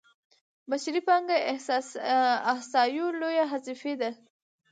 بشري پانګه احصایو لویه حذفي ده.